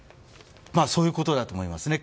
そういうことだと思いますね。